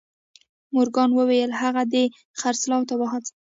مورګان وویل که هغه دې خرڅلاو ته وهڅاوه